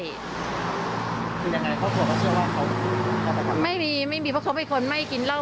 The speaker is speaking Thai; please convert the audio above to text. คือยังไงเขาพูดว่าเขาไม่มีไม่มีเพราะเขาเป็นคนไม่กินเหล้า